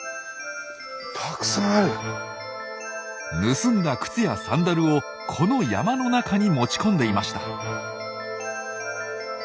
盗んだ靴やサンダルをこの山の中に持ち込んでいました。